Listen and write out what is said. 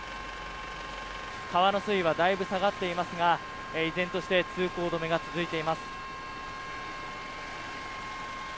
川の水位はだいぶ下がっていますが依然として通行止めが続いています。